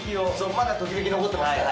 まだときめき残ってますから。